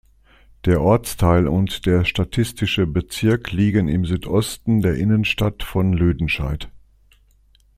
Der Ortsteil und der statistische Bezirk liegen im Südosten der Innenstadt von Lüdenscheid.